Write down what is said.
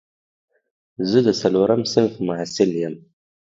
زه د څلورم صنف محصل یم